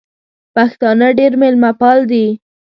پښتانه ډېر مېلمه پال دي.